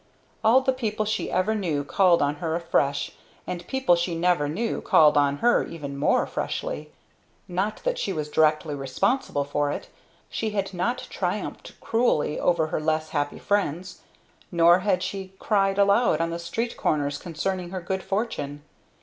All the people she ever knew called on her afresh, and people she never knew called on her even more freshly. Not that she was directly responsible for it. She had not triumphed cruelly over her less happy friends; nor had she cried aloud on the street corners concerning her good fortune.